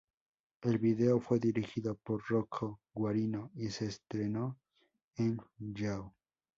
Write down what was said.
El video fue dirigido por Rocco Guarino, y se estrenó en Yahoo!